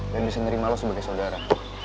dia bisa nerima lo sebagai saudara